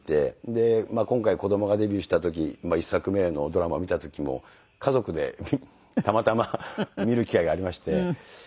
で今回子供がデビューした時１作目のドラマ見た時も家族でたまたま見る機会がありまして。